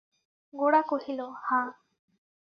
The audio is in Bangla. গোরা কহিল, হাঁ।